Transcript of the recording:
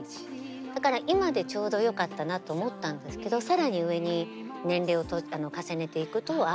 だから今でちょうどよかったなと思ったんですけど更に上に年齢を重ねていくとあ